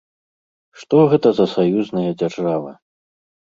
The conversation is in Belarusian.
Што гэта за саюзная дзяржава?